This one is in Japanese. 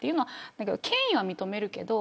でも権威は認めるけど